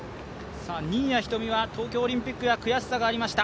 新谷仁美は東京オリンピックでは悔しさがありました。